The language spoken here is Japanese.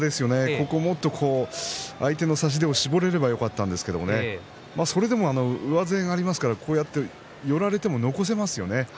ここをもっと相手の差し手を絞れればよかったんですがそれでも上背がありますから寄られても残せますよね。